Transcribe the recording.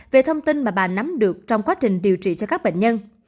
về thông tin mà bà nắm được trong quá trình điều trị cho các bệnh nhân